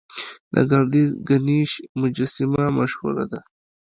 د ګردیز ګنیش مجسمه مشهوره ده